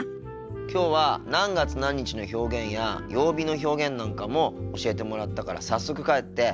きょうは何月何日の表現や曜日の表現なんかも教えてもらったから早速帰って復習しようと思ってるよ。